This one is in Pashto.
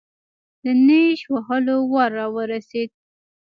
د نېش وهلو وار راورسېد.